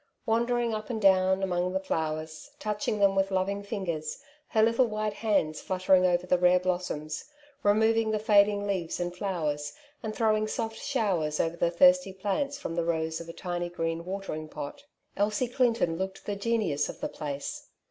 ' Wandering up and down among the flowers, touching them with loving fingers, her little white hands fiuttering over the rare blossoms, removing the fading leaves and fiowers, and throwing soffe showers over the thirsty plants from the rose of a tiny green watering pot, Elsie Clinton looked the genius of the place.